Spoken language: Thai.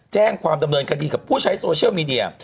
แจ้งความดำเนินคดีกับผู้ใช้โซเชียลมีเดีย